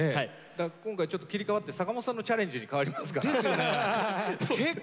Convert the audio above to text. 今回ちょっと切り替わって坂本さんのチャレンジに変わりますから。ですよね。